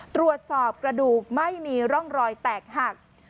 ตรวจสอบกระดูกไม่มีร่องรอยแตกหัก